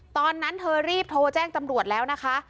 ตอนนั้นเธอรีบโทรแจ้งตำรวจแล้วนะคะ